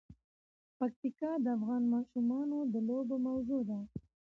پکتیکا د افغان ماشومانو د لوبو موضوع ده.